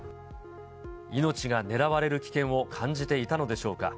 命が狙われる危険を感じていたのでしょうか。